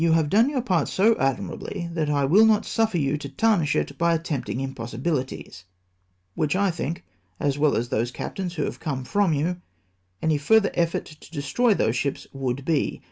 have done your part so achnirahlij that I ivill not suffer you to tarnish it by attempting impos sibilities*, which I think, as well as those captains who have come from you, any further effort to destroy those ships would be.